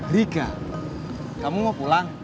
rika kamu mau pulang